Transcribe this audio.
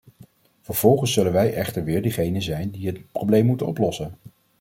Vervolgens zullen wij echter weer degenen zijn die het probleem moeten oplossen.